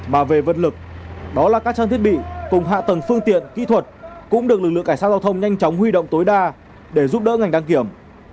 mà về vật lực đó là các trang thiết bị cùng hạ tầng phương tiện kỹ thuật cũng được lực lượng cảnh sát giao thông nhanh chóng huy động tối đa để giúp đỡ ngành đăng kiểm